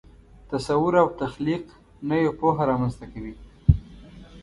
تصور او تخلیق نوې پوهه رامنځته کوي.